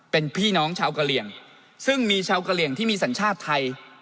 เป็นพี่น้องชาวกะเหลี่ยงซึ่งมีชาวกะเหลี่ยงที่มีสัญชาติไทย